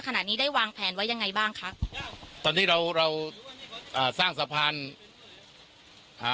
ขณะนี้ได้วางแผนไว้ยังไงบ้างคะตอนนี้เราเราอ่าสร้างสะพานอ่า